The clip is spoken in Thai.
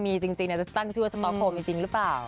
มีจริงจะตั้งชื่อว่าสต๊อกโฮมจริงหรือเปล่า